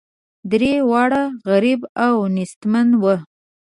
درې واړه غریب او نیستمن وه.